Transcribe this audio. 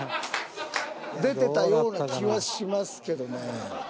出てたような気はしますけどね。